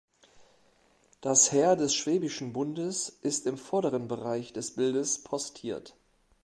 Das Heer des Schwäbischen Bundes ist im vorderen Bereich des Bildes postiert.